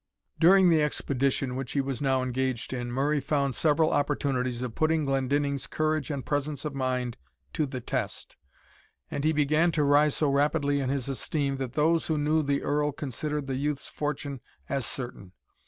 During the expedition which he was now engaged in, Murray found several opportunities of putting Glendinning's courage and presence of mind to the test, and he began to rise so rapidly in his esteem, that those who knew the Earl considered the youth's fortune as certain.